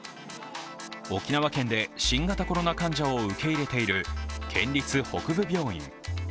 沖縄県で新型コロナ患者を受け入れている県立北部病院。